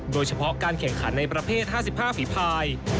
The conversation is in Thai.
โดยเฉพาะการแข่งขันในประเภท๕๕ฝีภาย